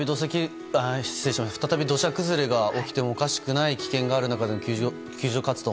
再び土砂崩れが起きてもおかしくない危険がある中での救助活動